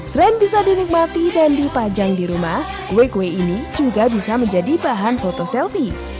selain bisa dinikmati dan dipajang di rumah kue kue ini juga bisa menjadi bahan foto selfie